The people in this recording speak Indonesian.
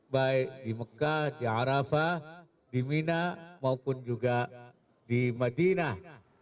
baik di mekah di arafah di mina maupun juga di madinah